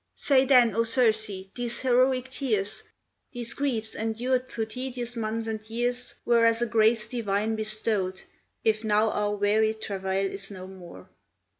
Say then, O Circe, these heroic tears, These griefs, endured through tedious months and years, Were as a grace divine bestowed If now our weary travail is no more.